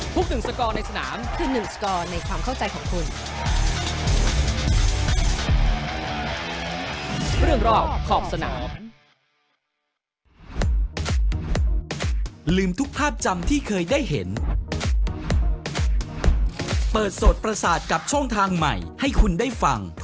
หนึ่งสกอร์ในสนามคือ๑สกอร์ในความเข้าใจของคุณ